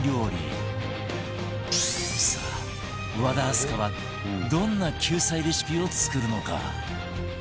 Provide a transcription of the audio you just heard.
和田明日香はどんな救済レシピを作るのか？